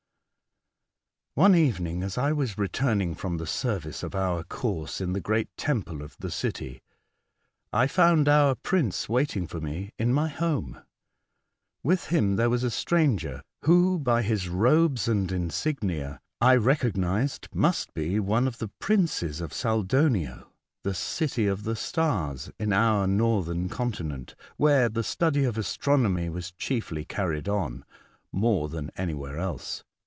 One evening, as I was returning from the service of our course in the great temple of the city, I found our prince waiting for me in my home. With him there was a stranger, who, by his robes and insignia, I recognised must be one of the princes of Saldonio, the city of the stars, in our northern continent, where the study of astronomy was chiefly carried on, more than anywhere else.